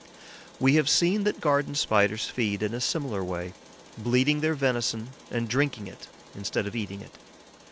We have seen that Garden Spiders feed in a similar way, bleeding their venison and drinking it instead of eating it.